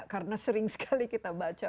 karena sering sekali kita baca